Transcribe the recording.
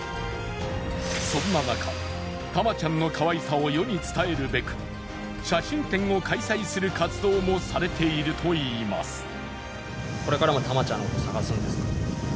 そんななかタマちゃんのかわいさを世に伝えるべく写真展を開催する活動もされているといいます。ねぇ。